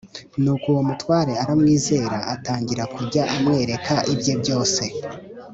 Nuko uwo mutware aramwizera atangira kujya amwereka ibye byose